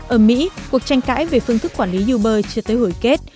ở mỹ cuộc tranh cãi về phương thức quản lý uber chưa tới hồi kết